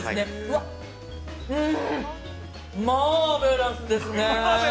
◆まあ、マーベラスですね。